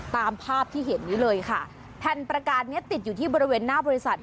ตามภาพที่เห็นนี้เลยค่ะแผ่นประกาศเนี้ยติดอยู่ที่บริเวณหน้าบริษัท